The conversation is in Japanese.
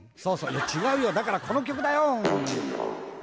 いや違うよだからこの曲だよ。